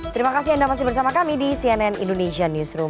terima kasih anda masih bersama kami di cnn indonesia newsroom